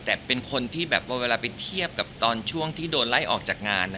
แต่เป็นคนที่แบบว่าเวลาไปเทียบกับตอนช่วงที่โดนไล่ออกจากงาน